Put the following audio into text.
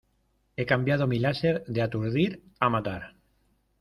He cambiado mi láser de aturdir a matar.